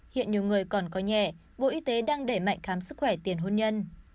hiện nhiều người còn coi nhẹ bộ y tế đang đẩy mạnh khám sức khỏe tiền hôn nhân